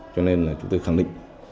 cho nên chúng tôi khẳng định